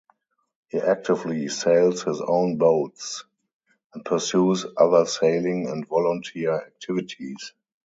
He actively sails his own boats and pursues other sailing and volunteer activities.